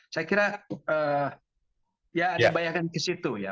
saya kira ya ada bayangan ke situ ya